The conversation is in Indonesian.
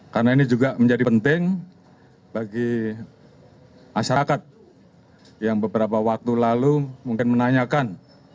karena ini juga menjadi penting bagi masyarakat yang beberapa waktu lalu mungkin menanyakan